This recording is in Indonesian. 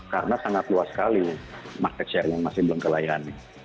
karena sangat luas sekali market share yang masih belum kelayani